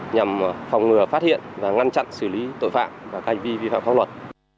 nhằm phòng ngừa phát hiện và ngăn chặn xử lý tội phạm và canh vi vi phạm pháp luật